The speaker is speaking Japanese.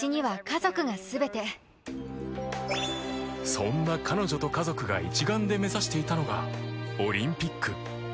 そんな彼女と家族が一丸で目指していたのがオリンピック。